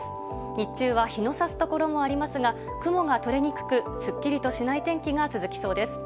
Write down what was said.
日中は日のさすところもありますが雲がとれにくくすっきりとしない天気が続きそうです。